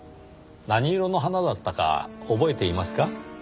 何色の花だったか覚えていますか？